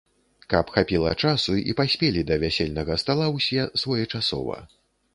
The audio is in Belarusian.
Каб хапіла часу і паспелі да вясельнага стала ўсе своечасова.